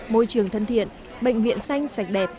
môi trường thân thiện bệnh viện xanh sạch đẹp